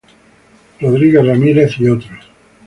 Rodríguez-Ramírez et al.